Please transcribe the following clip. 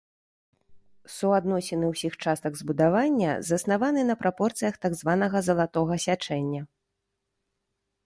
Суадносіны ўсіх частак збудавання заснаваны на прапорцыях так званага залатога сячэння.